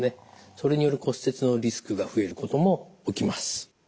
それによる骨折のリスクが増えることも起きます。